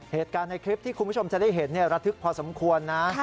เหตุการณ์ในคลิปที่คุณผู้ชมจะได้เห็นระทึกพอสมควรนะ